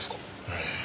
うん。